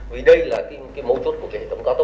vì đây là cái mâu chốt của cái hệ thống cao tốc